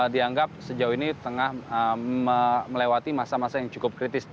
dianggap sejauh ini tengah melewati masa masa yang cukup kritis